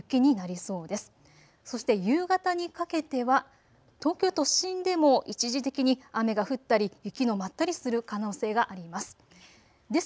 そして夕方にかけては東京都心でも一時的に雨が降ったり雪の舞ったりする可能性があります。